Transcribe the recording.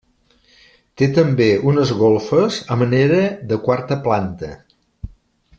Té també unes golfes a manera de quarta planta.